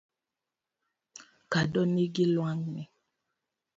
Kado nigi lwang'ni